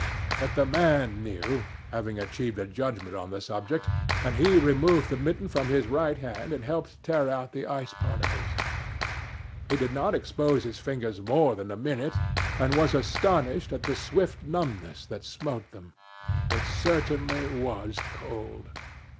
But the man knew, having achieved a judgment on the subject, and he removed the mitten from his right hand and helped tear out the ice particles. He did not expose his fingers more than a minute, and was astonished at the swift numbness that smote them. It certainly was cold.